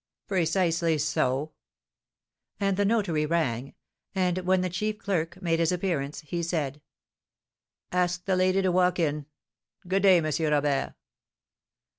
"Precisely so." And the notary rang; and when the chief clerk made his appearance, he said: "Ask the lady to walk in. Good day, M. Robert."